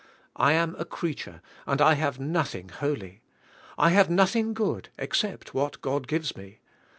I am a creature and I have nothing holy. I have nothing good except what God gives me.